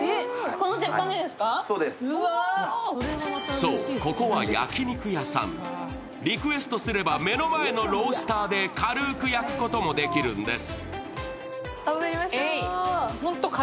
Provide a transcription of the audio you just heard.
そう、ここは焼き肉屋さん、リクエストすれば、目の前のロースターで軽く焼くこともできるんです。